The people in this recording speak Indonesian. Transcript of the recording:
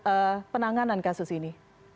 apa penanganan kasus ini